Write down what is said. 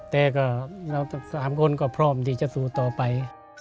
แต่ก็เราทั้ง๓คนก็พร้อมที่จะสู้ต่อไป